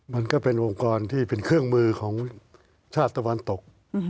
มันก็เป็นองค์กรที่เป็นเครื่องมือของชาติตะวันตก